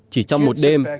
chỉ trong một đêm